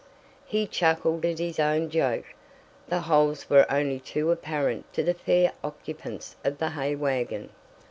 He chuckled at his own joke. The holes were only too apparent to the fair occupants of the hay wagon.